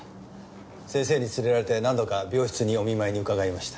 先生に連れられて何度か病室にお見舞いに伺いました。